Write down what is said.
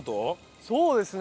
そうですね。